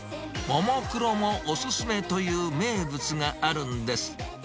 ももクロもお勧めという名物があるんです。